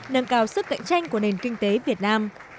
nâng cao sức cạnh tranh của nền kinh tế việt nam